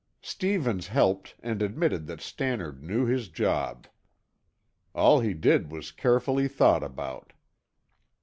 Stevens helped and admitted that Stannard knew his job. All he did was carefully thought about.